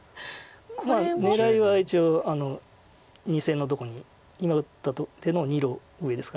まあ狙いは一応２線のとこに今打った手の２路上ですか。